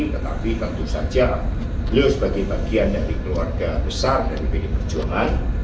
tetapi tentu saja beliau sebagai bagian dari keluarga besar dari pdi perjuangan